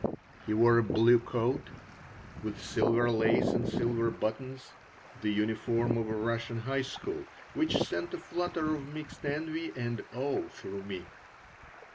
He wore a blue coat with silver lace and silver buttons, the uniform of a Russian high school, which sent a flutter of mixed envy and awe through me.